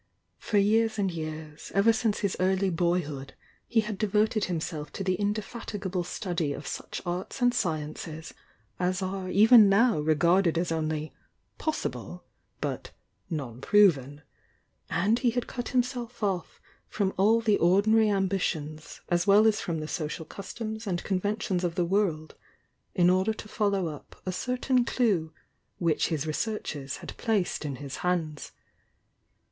For years and years, ever since his early boyhood, he had de voted himself to the indefatigable study of such arts and sciences as are even now regarded as only "pos sible," but "non proven,"— and he had cut himself off fron^ all the ordmary ambitions as well as from the social customs and conventions of the world, in order to follow up a certain clue which his re searches had placed in his hands.